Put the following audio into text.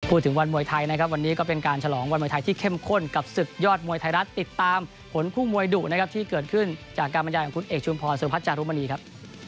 วันมวยไทยนะครับวันนี้ก็เป็นการฉลองวันมวยไทยที่เข้มข้นกับศึกยอดมวยไทยรัฐติดตามผลคู่มวยดุนะครับที่เกิดขึ้นจากการบรรยายของคุณเอกชุมพรสุพัฒนจารุมณีครับ